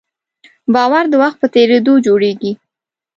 باور د وخت په تېرېدو جوړېږي.